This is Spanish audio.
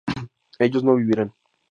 ellos no vivirán